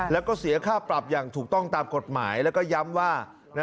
แล้วก็เสียค่าปรับอย่างถูกต้องตามกฎหมายแล้วก็ย้ำว่า